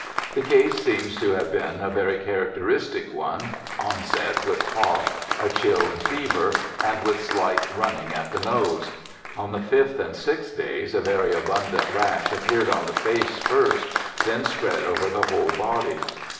The case seems to have been a very characteristic one : onset with cough, a chill and fever, and with slight running at the nose. On the fifth and sixth days a very abundant rash appeared on the face first, then spread over the whole body.